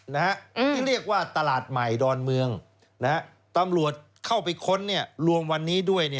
ที่เรียกว่าตลาดใหม่ดอนเมืองตำรวจเข้าไปค้นรวมวันนี้ด้วย